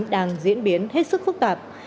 đang diễn biến hết sức phức tạp